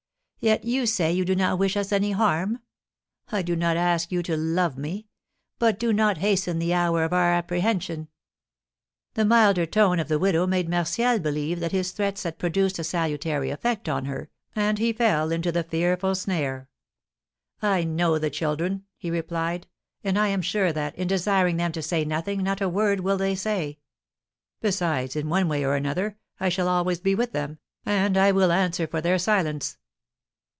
Yet you say you do not wish us any harm? I do not ask you to love me; but do not hasten the hour of our apprehension!" The milder tone of the widow made Martial believe that his threats had produced a salutary effect on her, and he fell into the fearful snare. "I know the children," he replied; "and I am sure that, in desiring them to say nothing, not a word will they say. Besides, in one way or another, I shall be always with them, and I will answer for their silence."